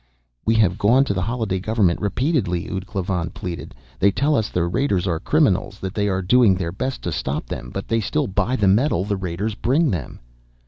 "We have gone to the Holliday government repeatedly," ud Klavan pleaded. "They tell us the raiders are criminals, that they are doing their best to stop them. But they still buy the metal the raiders bring them."